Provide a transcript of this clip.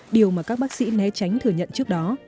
điều mà các bác sĩ né tránh thừa nhận trước đó